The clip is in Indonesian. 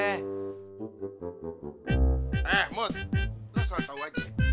eh mut lu salah tau aja